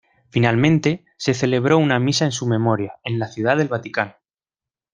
Finalmente, se celebró una misa en su memoria en la Ciudad del Vaticano.